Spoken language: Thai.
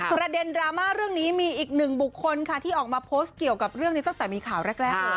ประเด็นดราม่าเรื่องนี้มีอีกหนึ่งบุคคลค่ะที่ออกมาโพสต์เกี่ยวกับเรื่องนี้ตั้งแต่มีข่าวแรกเลย